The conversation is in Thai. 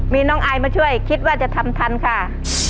มีน้องอายมาช่วยคิดว่าจะทำทันค่ะ